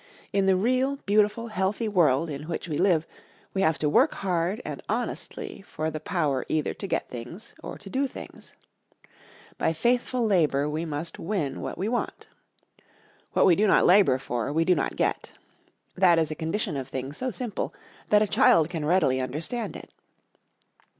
In the real, beautiful, healthy world in which we live we have to work hard and honestly for the power either to get things or to do things. By faithful labor must we win what we want. What we do not labor for we do not get. That is a condition of things so simple that a child can readily understand it.